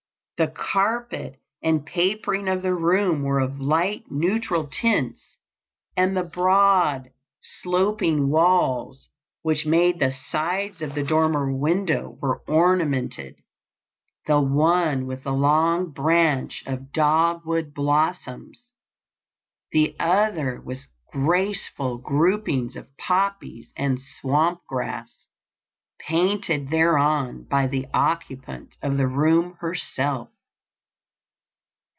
The carpet and papering of the room were of light neutral tints, and the broad sloping walls which made the sides of the dormer window were ornamented, the one with a long branch of dogwood blossoms, the other with graceful groupings of poppies and swamp grass, painted thereon by the occupant of the room herself.